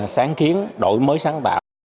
sáng khiến đổi mới sáng tạo